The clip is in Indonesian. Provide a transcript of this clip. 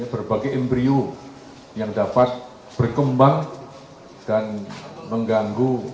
berbagai embryo yang dapat berkembang dan mengganggu